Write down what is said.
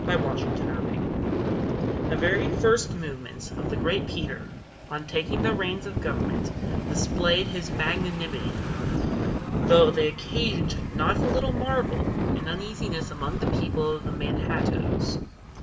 ANTONY VAN CORLEAR The very first movements of the great Peter, on taking the reins of government, displayed his magnanimity, though they occasioned not a little marvel and uneasiness among the people of the Manhattoes.